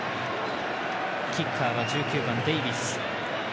キッカーは１９番、デイビス。